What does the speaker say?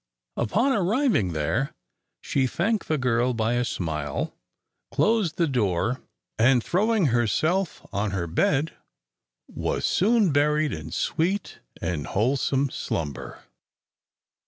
Upon arriving there, she thanked the girl by a smile, closed the door, and, throwing herself on her bed, was soon buried in sweet and wholesome slumber.